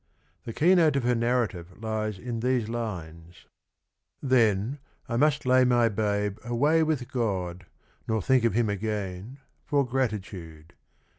The keynote of her narrative lies in these lines: f'Then, I must lay my babe away with God, Nor think of him again, for gratitude.